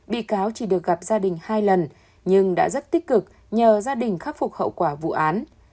bị cáo chỉ được gặp gia đình hai lần nhưng đã rất tích cực nhờ gia đình khắc phục hậu quả vụ án